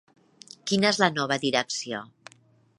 Quina és la nova direcció?